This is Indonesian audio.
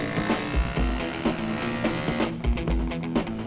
kita mau bingung nih